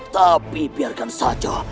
tapi biarkan saja